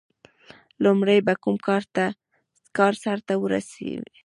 • لومړی به کوم کار سر ته رسوي؟